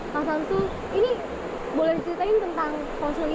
pak santu boleh diceritakan tentang fosil ini